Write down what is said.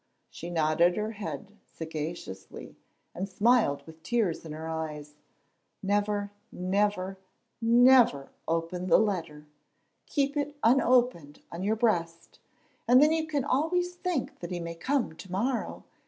She nodded her head sagaciously and smiled with tears in her eyes. "Never, never, never open the letter. Keep it unopened on your breast, and then you can always think that he may come to morrow.